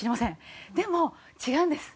でも違うんです。